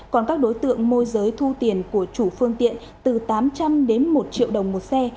còn các đối tượng môi giới thu tiền của chủ phương tiện từ tám trăm linh đến một triệu đồng một xe